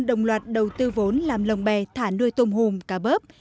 đồng loạt đầu tư vốn làm lồng bè thả nuôi tôm hùm cá bớp